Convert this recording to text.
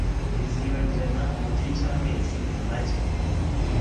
Bizibagirana mugihe cyamezi make.